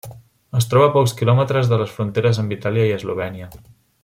Es troba a pocs kilòmetres de les fronteres amb Itàlia i Eslovènia.